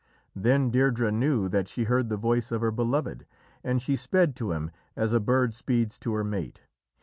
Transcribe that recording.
Then Deirdrê knew that she heard the voice of her beloved, and she sped to him as a bird speeds to her mate.